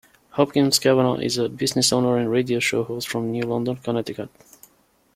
Hopkins-Cavanagh is a business owner and radio show host from New London, Connecticut.